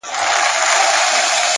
هره ورځ د ښه کېدو بلنه ده؛